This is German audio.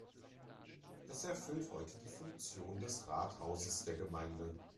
Es erfüllt heute die Funktion des Rathauses der Gemeinde.